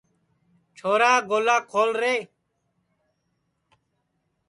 چھورا گولا کھول رے